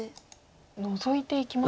ノゾいていきました。